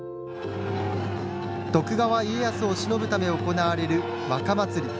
徳川家康をしのぶため行われる和歌祭。